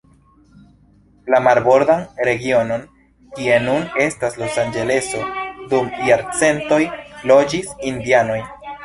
La marbordan regionon, kie nun estas Los Anĝeleso, dum jarcentoj loĝis indianoj.